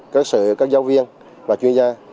các sự các giáo viên và chuyên gia